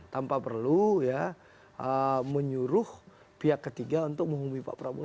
tanpa perlu ya menyuruh pihak ketiga untuk menghubungi pak prabowo